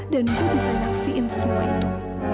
dan gue bisa nyaksiin semua itu